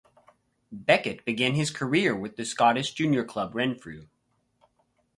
Beckett began his career with Scottish junior club Renfrew.